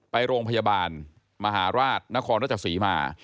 ไปโรงพยาบาลมหาราชนครรัชศรีมา